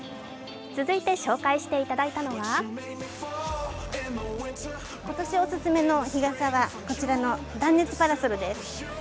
続いて紹介していただいたのは今年おすすめの日傘はこちらの断熱パラソルです。